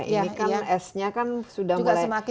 ini kan esnya kan sudah mulai